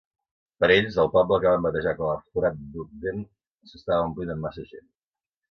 Per a ells, el poble que van batejar com a "forat d'Ogden" s'estava omplint amb massa gent.